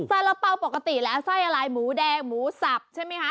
สาระเป๋าปกติแล้วไส้อะไรหมูแดงหมูสับใช่ไหมคะ